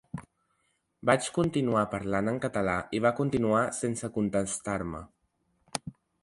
Vaig continuar parlant en català i va continuar sense contestar-me.